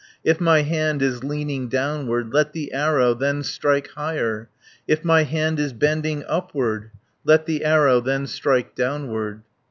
If my hand is leaning downward, Let the arrow then strike higher, 160 If my hand is bending upward, Let the arrow then strike downward!"